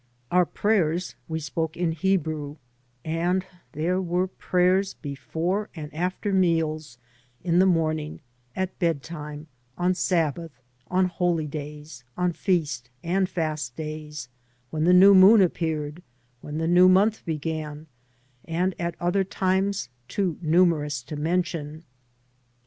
Our prayers we spoke in Hebrew and there were prayers before and after meals, m the morning, at bedtime, on Sab bath, or holy days, on feast and fast days, when, the new moon appeared, when the new month began, and at other times too numer ous to mention.